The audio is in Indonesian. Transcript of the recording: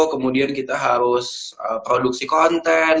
kemudian kita harus produksi konten